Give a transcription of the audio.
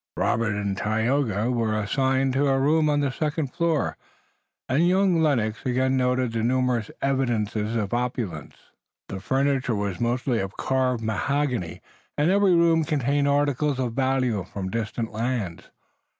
Robert and Tayoga were assigned to a room on the second floor, and young Lennox again noted the numerous evidences of opulence. The furniture was mostly of carved mahogany, and every room contained articles of value from distant lands.